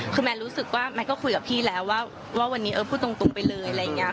คือแมนรู้สึกว่าแมนก็คุยกับพี่แล้วว่าวันนี้เออพูดตรงไปเลยอะไรอย่างนี้